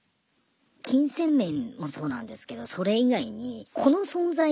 金銭面もそうなんですけどそれ以外に子の存在が。